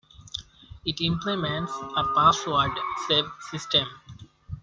It implements a password-save system.